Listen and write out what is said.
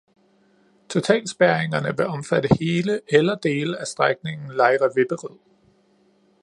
Totalspærringerne vil omfatte hele eller dele af strækningen Lejre-Vipperød.